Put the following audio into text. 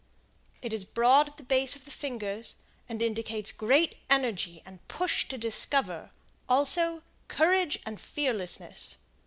It is broad at the base of the fingers, and indicates great energy and push to discover; also, courage and fearlessness.